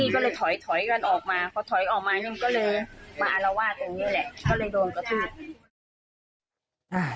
ก็เลยโดนกระทุก